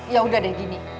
yaudah deh gini